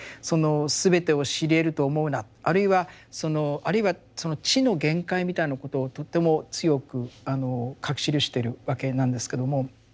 その「すべてを知りえると思うな」あるいはその「知の限界」みたいなことをとても強く書き記してるわけなんですけども。